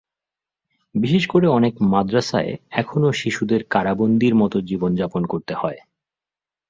বিশেষ করে, অনেক মাদ্রাসায় এখনো শিশুদের কারাবন্দীর মতো জীবনযাপন করতে হয়।